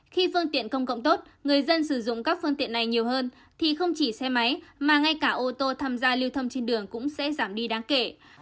khi phương tiện công cộng tốt người dân sử dụng các phương tiện này nhiều hơn thì không chỉ xe máy mà ngay cả ô tô tham gia lưu thông trên đường cũng sẽ giảm đi đáng kể